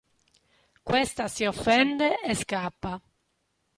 Questa si offende e scappa.